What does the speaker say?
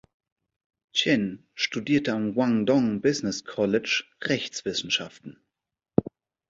Chen studierte am Guangdong Business College Rechtswissenschaften.